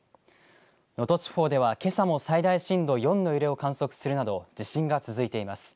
能登地方ではけさも災害震度４の揺れを観測するなど地震が続いています。